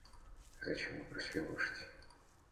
Зачем Вы бросили лошадь?